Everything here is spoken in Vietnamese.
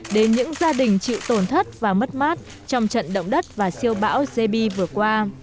đến những gia đình chịu tổn thất và mất mát trong trận động đất và siêu bão gbi vừa qua